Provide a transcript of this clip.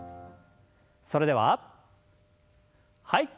それでははい。